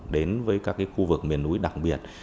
đến với các khu vực miền núi đặc biệt